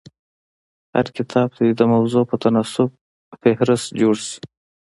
هر کتاب ته دي د موضوع په تناسب فهرست جوړ سي.